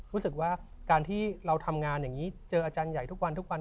รู้สึกว่าการที่เราทำงานอย่างนี้เจออาจารย์ใหญ่ทุกวันทุกวัน